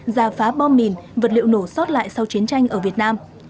giả phá bom mìn vật liệu nổ sót lại sau chiến tranh ở việt nam